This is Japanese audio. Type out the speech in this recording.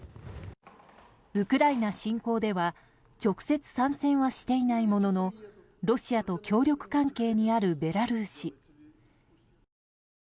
ウクライナ侵攻では直接参戦はしていないもののロシアと協力関係にあるベラルーシ。